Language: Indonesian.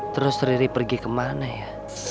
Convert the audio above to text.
terus riri pergi kemana ya